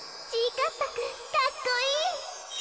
かっぱくんかっこいい。